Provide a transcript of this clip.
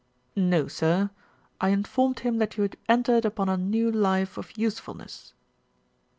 "No, sir. I informed him that you had entered upon a new life of usefulness."